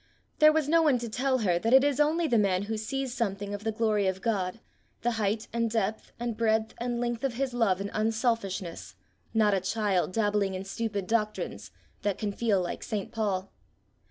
There was no one to tell her that it is only the man who sees something of the glory of God, the height and depth and breadth and length of his love and unselfishness, not a child dabbling in stupid doctrines, that can feel like St. Paul.